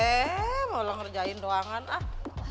eh mau lo ngerjain doangan ah